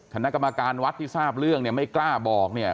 คณะกรรมการวัดที่ทราบเรื่องเนี่ยไม่กล้าบอกเนี่ย